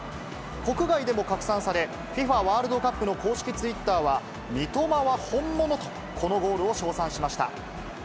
国外でも拡散され、ＦＩＦＡワールドカップの公式ツイッターは、三笘は本物と、このゴールを称賛しました。